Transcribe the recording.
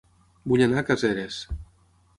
Vull anar a Caseres